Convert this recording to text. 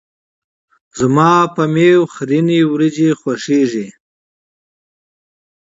زما په میو خیرنې وريژې خوښیږي.